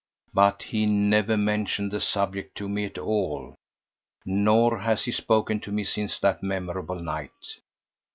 But he never mentioned the subject to me at all, nor has he spoken to me since that memorable night.